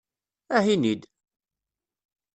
Aha ini-d!